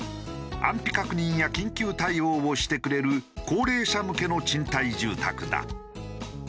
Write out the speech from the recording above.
安否確認や緊急対応をしてくれる高齢者向けの賃貸住宅だ。